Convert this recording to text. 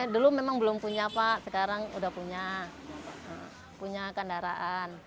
dulu memang belum punya pak sekarang udah punya kendaraan